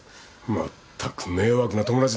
まったく迷惑な友達だな。